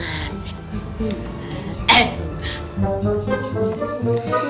jangan di belakang